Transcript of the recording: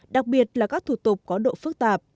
đặc biệt là các thủ tục có độ phức tạp